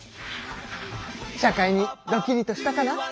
社会にドキリとしたかな？